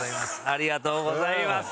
ありがとうございます。